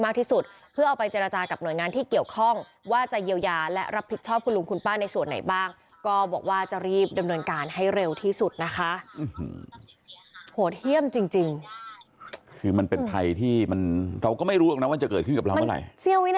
เกิดขึ้นกับเราก็ไงเจียวไว้ทีเดียวรอขักจะไปรู้